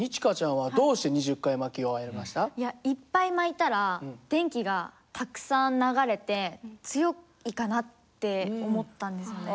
いやいっぱい巻いたら電気がたくさん流れて強いかなって思ったんですよね。